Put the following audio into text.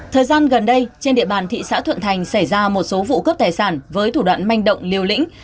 thời gian gần đây trên địa bàn thị xã thuận thành xảy ra một số vụ cướp tài sản với thủ đoạn manh động liều lĩnh